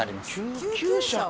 救急車を？